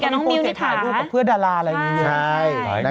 น้องคงจะถ่ายรูปกับเพื่อนดาราอะไรอย่างนี้